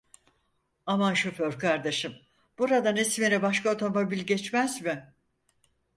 Aman şoför kardeşim, buradan İzmir'e başka otomobil geçmez mi?